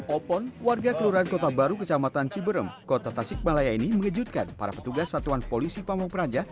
opon warga kelurahan kota baru kecamatan ciberem kota tasikmalaya ini mengejutkan para petugas satuan polisi pamung praja